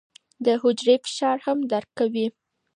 دا حجرې فشار هم درک کوي.